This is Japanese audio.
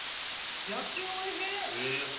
焼きおいしい。